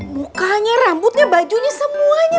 mukanya rambutnya bajunya semuanya